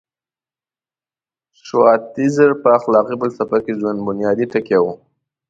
شوایتزر په اخلاقي فلسفه کې ژوند بنیادي ټکی و.